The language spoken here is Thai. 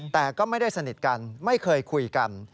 แต่ก็ไม่ได้สนิทกันไม่เคยคุยกัน